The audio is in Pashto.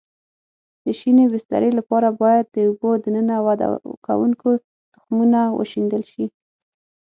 د شینې بسترې لپاره باید د اوبو دننه وده کوونکو تخمونه وشیندل شي.